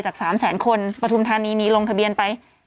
จาก๓แสนคนปฐุมธานีมีลงทะเบียนไป